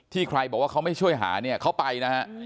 ใครบอกว่าเขาไม่ช่วยหาเนี่ยเขาไปนะฮะ